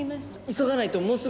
急がないともうすぐ。